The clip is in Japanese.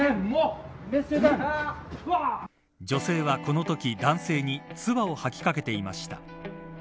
女性は、このとき男性につばを吐きかけていました。